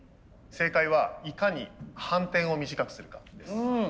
正解はいかに反転を短くするかです。